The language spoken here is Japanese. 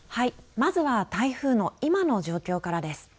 まずは台風の今の状況からです。